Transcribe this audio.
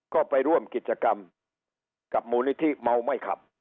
ก็ไปร่วมกิจกรรมกับมูลนิธิเมาไม่ขับ